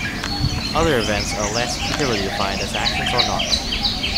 Other events are less clearly defined as actions or not.